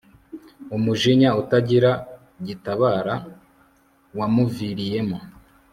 Umujinya utagira gitabara wamuviriyemo